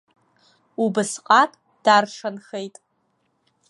Убасҟак даршанхеит.